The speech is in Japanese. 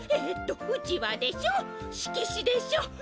えっとうちわでしょしきしでしょ